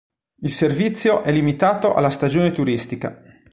Il servizio è limitato alla stagione turistica.